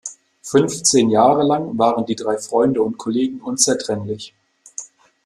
Fünfzehn Jahre lang waren die drei Freunde und Kollegen unzertrennlich.